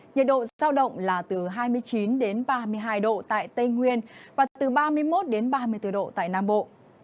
nhiệt độ giao động là từ hai mươi chín đến ba mươi hai độ tại tây nguyên và từ ba mươi một đến ba mươi bốn độ tại nam bộ